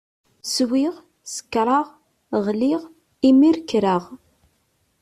Swiɣ, sekṛeɣ, ɣliɣ, imir kreɣ.